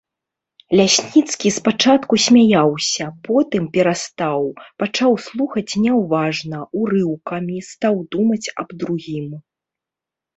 Лясніцкі спачатку смяяўся, потым перастаў, пачаў слухаць няўважна, урыўкамі, стаў думаць аб другім.